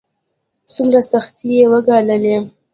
څومره سختۍ يې وګاللې.